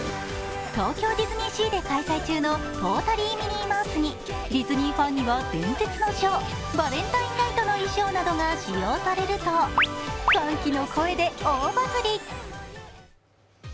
東京ディズニーシーで開催中のトータリー・ミニーハウスにディズニーファンには伝説のショー、バレンタイン・ナイトの衣装が使用されるなど、歓喜の声で大バズり。